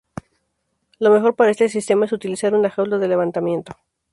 Lo mejor para este sistema es utilizar una jaula de levantamiento.